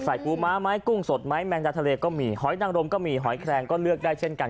ปูม้าไม้กุ้งสดไม้แมงดาทะเลก็มีหอยนังรมก็มีหอยแคลงก็เลือกได้เช่นกัน